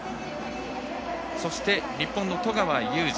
そして日本の十川裕次。